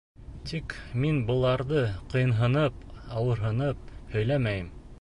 Тик мин быларҙы ҡыйынһынып, ауырһынып һөйләмәйем.